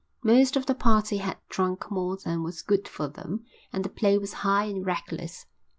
Most of the party had drunk more than was good for them and the play was high and reckless.